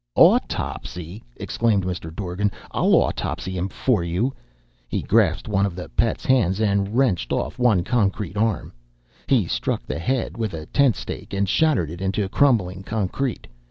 "Autopsy!" exclaimed Mr. Dorgan. "I'll autopsy him for you!" He grasped one of the Pet's hands and wrenched off one concrete arm. He struck the head with a tent stake and shattered it into crumbling concrete.